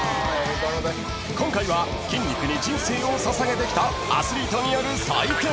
［今回は筋肉に人生を捧げてきたアスリートによる祭典］